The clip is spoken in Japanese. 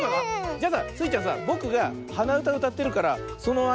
じゃあさスイちゃんさぼくがはなうたうたってるからそのあいだにこれはめて。